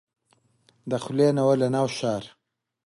دەخولێنەوە لە ناو شار